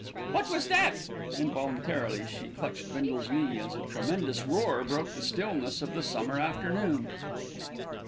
"What was that?" Involuntarily she clutched Bindle's knee, as a tremendous roar broke the stillness of the summer afternoon.